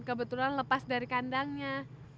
kebetulan lepas dari kandangnya